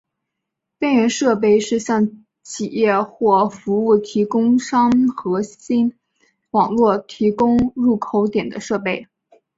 边缘设备是向企业或服务提供商核心网络提供入口点的设备。